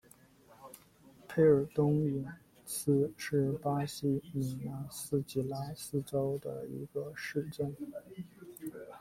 佩尔东伊斯是巴西米纳斯吉拉斯州的一个市镇。